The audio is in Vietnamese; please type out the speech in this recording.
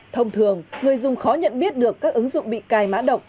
thông thường người dùng khó nhận biết được các ứng dụng bị cài mã độc